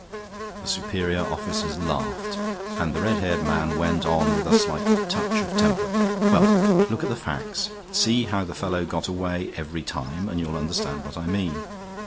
The superior officers laughed, and the redhaired man went on with a slight touch of temper: "Well, look at the facts. See how the fellow got away every time, and you'll understand what I mean.